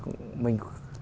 thực ra là mình như thế